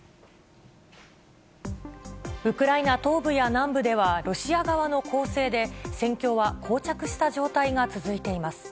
ウクライナ東部や南部では、ロシア側の攻勢で、戦況はこう着した状態が続いています。